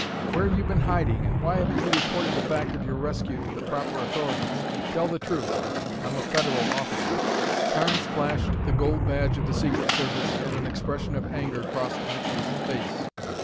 "Where have you been hiding and why haven't you reported the fact of your rescue to the proper authorities? Tell the truth; I'm a federal officer!" Carnes flashed the gold badge of the Secret Service and an expression of anger crossed Mitchell's face.